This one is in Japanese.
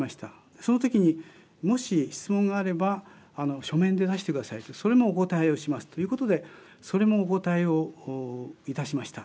そのときに、もし質問があれば書面で出してくださいとそれもお答えして対応しますということでそれもお答えをいたしました。